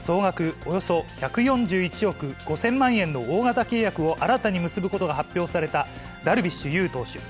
およそ１４１億５０００万円の大型契約を新たに結ぶことが発表されたダルビッシュ有投手。